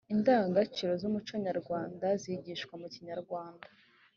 indangagaciro z’umuco nyarwanda zigishwa mu kinyarwanda